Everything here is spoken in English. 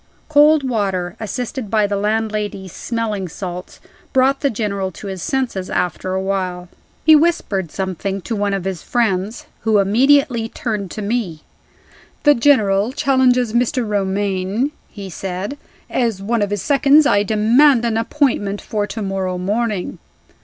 Cold water, assisted by the landlady's smelling salts, brought the General to his senses after a while. He whispered something to one of his friends, who immediately turned to me. "The General challenges Mr. Romayne," he said. "As one of his seconds, I demand an appointment for to morrow morning."